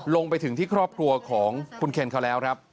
ลงไปถึงที่ครอบครัวของคุณเคนเขาแล้วครับ